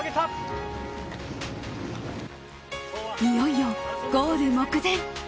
いよいよゴール目前。